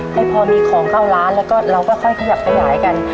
ให้พอมีของเข้าร้านแล้วก็เราก็ค่อยขยับขยายกัน